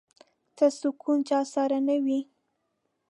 څه سکون چا سره نه وي